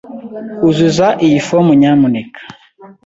Uzuza iyi fomu, nyamuneka.